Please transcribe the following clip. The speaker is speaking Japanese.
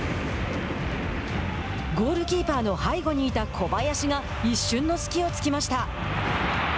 ゴールキーパーの背後にいた小林が一瞬のすきをつきました。